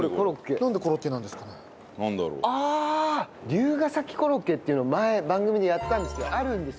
龍ケ崎コロッケっていうの前番組でやったんですけどあるんです！